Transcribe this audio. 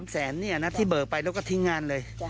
๓แสนที่เบลอไปแล้วก็ทิ้งงานเลย